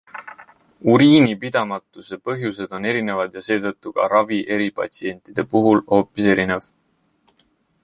Uriinipidamatuse põhjused on erinevad ja seetõttu ka ravi eri patsientide puhul hoopis erinev.